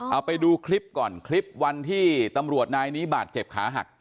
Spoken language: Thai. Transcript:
เอาไปดูคลิปก่อนคลิปวันที่ตำรวจนายนี้บาดเจ็บขาหัก